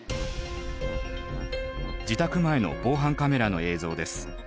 自宅前の防犯カメラの映像です。